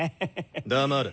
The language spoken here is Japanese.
黙れ。